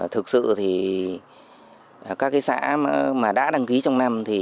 thực sự các xã đã đăng ký trong năm